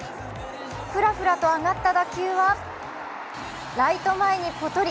ふらふらと上がった打球はライト前にポトリ。